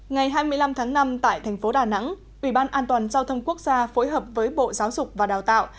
ngày hai mươi năm tháng năm tại thành phố đà nẵng ủy ban an toàn giao thông quốc gia phối hợp với bộ giáo dục và đào tạo